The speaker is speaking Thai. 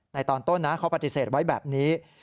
ตอนต้นนะเขาปฏิเสธไว้แบบนี้